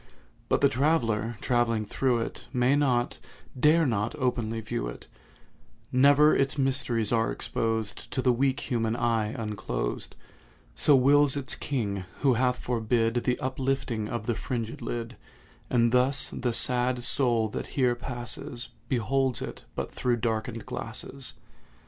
But the traveller, travelling through it, May not—dare not openly view it; Never its mysteries are exposed To the weak human eye unclosed; So wills its King, who hath forbid The uplifting of the fringèd lid; And thus the sad Soul that here passes Beholds it but through darkened glasses.